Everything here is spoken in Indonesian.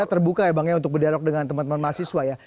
terbuka ya bang ya untuk berdialog dengan teman teman mahasiswa ya